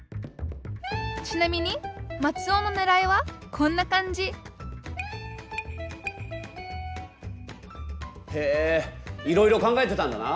ちなみにマツオのねらいはこんな感じへえいろいろ考えてたんだな。